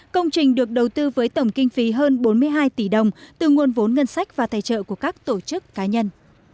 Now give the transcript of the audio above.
công trình được đầu tư với tổng kinh phí hơn bốn mươi hai tỷ đồng từ nguồn vốn ngân sách và tài trợ của các tổ chức cá nhân